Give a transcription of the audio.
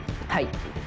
はい。